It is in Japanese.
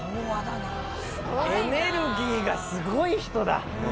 エネルギーがすごい人だ。